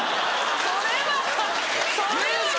それはそれは！